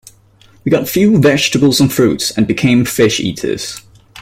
We got few vegetables and fruits, and became fish eaters.